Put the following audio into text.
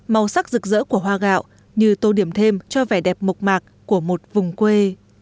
màu sắc rực rỡ của hoa gạo như tô điểm thêm cho vẻ đẹp mộc mạc của một vùng quê